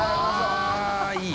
あっいい！